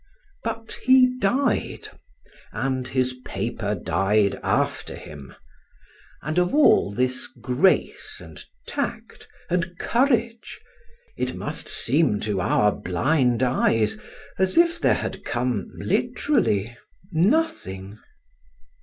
But he died, and his paper died after him; and of all this grace, and tact, and courage, it must seem to our blind eyes as if there had come literally nothing.